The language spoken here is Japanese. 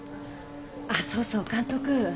あっそうそう監督